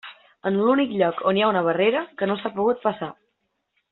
En l'únic lloc on hi ha una barrera que no s'ha pogut passar *.